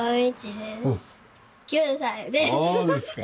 そうですか。